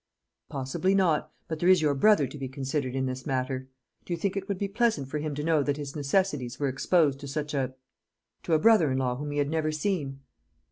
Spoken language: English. "Possibly not; but there is your brother to be considered in this matter. Do you think it would be pleasant for him to know that his necessities were exposed to such a to a brother in law whom he had never seen?"